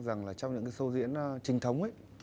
rằng là trong những cái show diễn trình thống ý